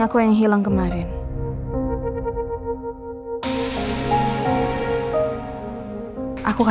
kau mau banget antingin rude